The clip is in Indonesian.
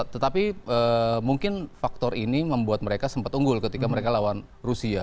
tetapi mungkin faktor ini membuat mereka sempat unggul ketika mereka lawan rusia